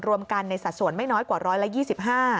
รวมกันในสัดส่วนไม่น้อยกว่า๑๒๕